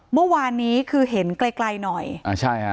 เมื่อวานนี้คือเห็นไกลไกลหน่อยอ่าใช่ฮะ